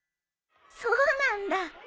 そうなんだ。